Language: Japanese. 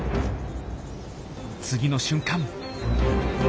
次の瞬間。